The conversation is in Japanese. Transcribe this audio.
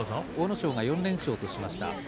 阿武咲が４連勝としました。